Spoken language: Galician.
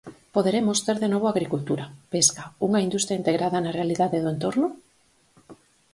Poderemos ter de novo agricultura, pesca, unha industria integrada na realidade do entorno...?